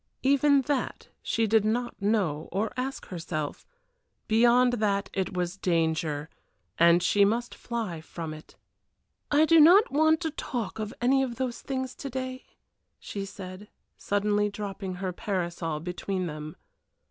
Even that she did not know or ask herself. Beyond that it was danger, and she must fly from it. "I do not want to talk of any of those things to day," she said, suddenly dropping her parasol between them.